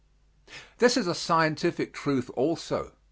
This is a scientific truth also.